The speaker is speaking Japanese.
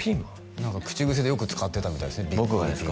何か口癖でよく使ってたみたい僕がですか？